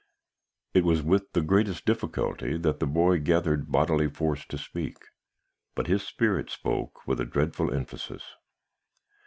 "It was with the greatest difficulty that the boy gathered bodily force to speak; but, his spirit spoke with a dreadful emphasis.